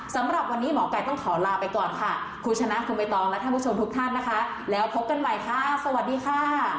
สำหรับวันนี้หมอไก่ต้องขอลาไปก่อนค่ะคุณชนะคุณใบตองและท่านผู้ชมทุกท่านนะคะแล้วพบกันใหม่ค่ะสวัสดีค่ะ